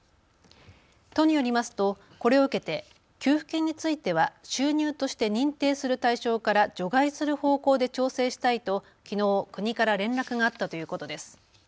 都によりますと、これを受けて給付金については収入として認定する対象から除外する方向で調整したいときのう国から連絡があったということです。